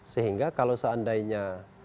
sehingga kalau seandainya